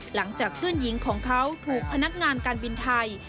หลังจากเพื่อนหญิงของเขาถูกพนักงานการบินไทย